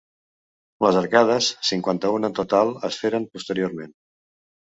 Les arcades, cinquanta-una en total, es feren posteriorment.